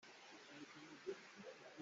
Kan pamnak kum thum a si cang.